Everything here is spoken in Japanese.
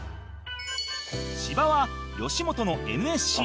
芝は吉本の ＮＳＣ